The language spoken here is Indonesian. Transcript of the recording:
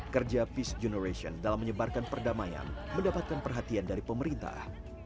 kerja peacegen dalam menyebarkan perdamaian mendapatkan perhatian dari pemerintah